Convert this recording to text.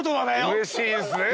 うれしいですね。